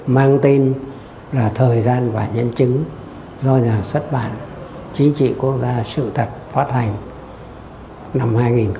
mang tên là thời gian và nhân chứng do nhà xuất bản chính trị quốc gia sự thật phát hành năm hai nghìn một mươi